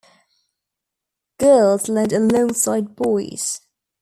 Girls learned alongside boys.